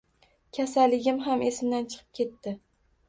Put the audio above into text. Kasalligim ham esimdan chiqib ketdi